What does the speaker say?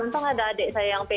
normal seorang ibu